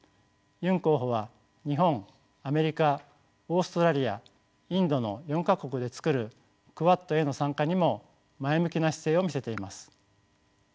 ユン候補は日本アメリカオーストラリアインドの４か国で作るクアッドへの参加にも前向きな姿勢を見せています。